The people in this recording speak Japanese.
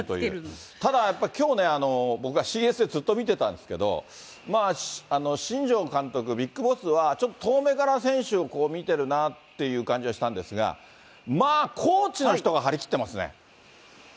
ただね、きょうは僕ね、ずっとＣＳで見てたんですけど、新庄監督、ビッグボスはちょっと遠めから選手を見てるなという感じがしたんですが、まあ、コーチの人が張り切ってますね。